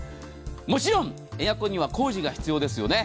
もちろん、エアコンには工事が必要ですよね。